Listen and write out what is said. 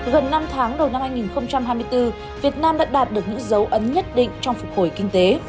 gần năm tháng đầu năm hai nghìn hai mươi bốn việt nam đã đạt được những dấu ấn nhất định trong phục hồi kinh tế